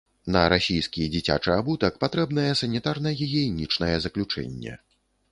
На расійскі дзіцячы абутак патрэбнае санітарна-гігіенічнае заключэнне.